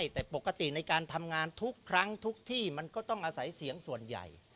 แต่ปกติในการทำงานทุกครั้งทุกที่มันก็ต้องอาศัยเสียงส่วนใหญ่